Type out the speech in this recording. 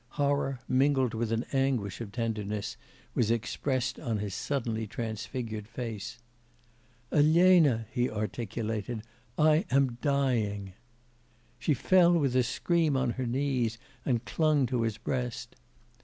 Horror, mingled with an anguish of tenderness, was expressed on his suddenly transfigured face. 'Elena!' he articulated, 'I am dying.' She fell with a scream on her knees, and clung to his breast.